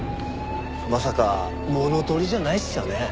まさか物取りじゃないっすよね？